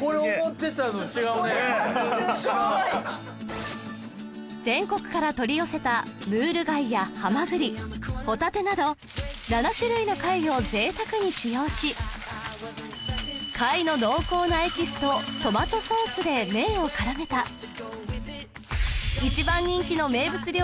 これ思ってたのと違うね全国から取り寄せたムール貝やハマグリホタテなど７種類の貝をぜいたくに使用し貝の濃厚なエキスとトマトソースで麺を絡めた一番人気の名物料理